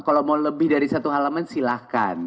kalau mau lebih dari satu halaman silahkan